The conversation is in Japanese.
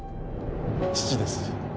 父です